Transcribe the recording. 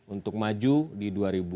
untuk maju di dua ribu sembilan belas